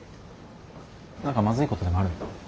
何かまずいことでもあるの？